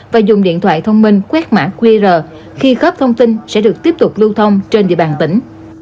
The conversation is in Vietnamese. và dùng điện thoại thông minh quét mã qr khi góp thông tin sẽ được tiếp tục lưu thông trên địa bàn tỉnh